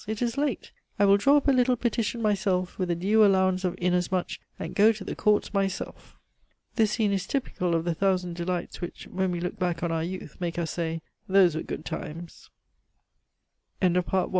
It is late. I will draw up a little petition myself, with a due allowance of 'inasmuch,' and go to the Courts myself." This scene is typical of the thousand delights which, when we look back on our youth, make us say